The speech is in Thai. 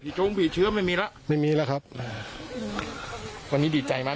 โจงผีเชื้อไม่มีแล้วไม่มีแล้วครับวันนี้ดีใจมาก